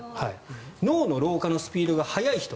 脳の老化のスピードが速い人。